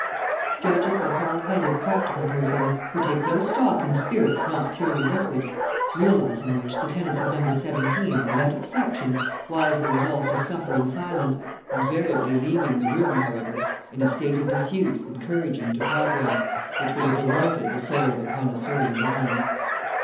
Judges are hard headed, practical persons, who take no stock in spirits not purely liquid, realizing which the tenants of Number 17, without exception, wisely resolved to suffer in silence, invariably leaving the room, however, in a state of disuse encouraging to cobwebs, which would have delighted the soul of a connoisseur in wines.